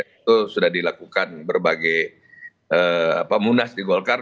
itu sudah dilakukan berbagai munas di golkar